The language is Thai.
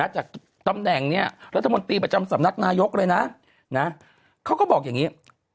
จากตำแหน่งเนี่ยรัฐมนตรีประจำสำนักนายกเลยนะเขาก็บอกอย่างนี้